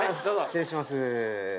失礼します